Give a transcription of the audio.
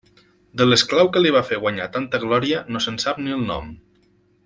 De l'esclau que li va fer guanyar tanta glòria no se'n sap ni el nom.